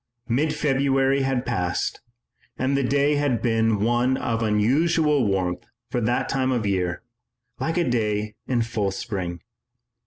Mid February had passed, and the day had been one of unusual warmth for that time of the year, like a day in full spring.